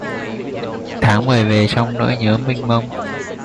Tháng Mười về trong nỗi nhớ mênh mông